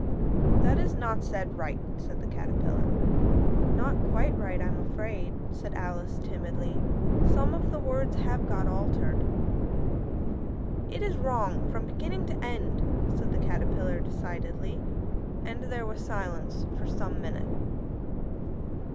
"That is not said right," said the Caterpillar. "Not quite right, I'm afraid," said Alice timidly; "some of the words have got altered." "It is wrong from beginning to end," said the Caterpillar decidedly, and there was silence for some minutes.